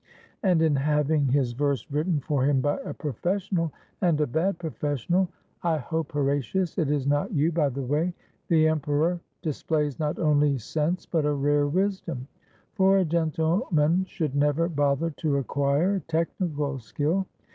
"And in having his verse written for him by a profes sional, and a bad professional, — I hope, Horatius, it is not you, by the way, — the emperor displays not only sense but a rare wisdom. For a gentleman should never bother to acquire technical skill.